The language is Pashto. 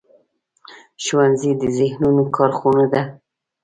ښوونځی د ذهنونو کارخونه ده